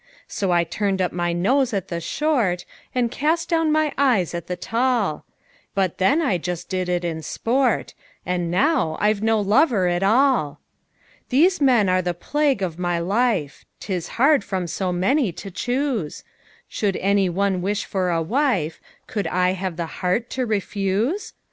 So I turned up my nose at the short, And cast down my eyes at the tall; But then I just did it in sport And now I've no lover at all! These men are the plague of my life: 'Tis hard from so many to choose! Should any one wish for a wife, Could I have the heart to refuse?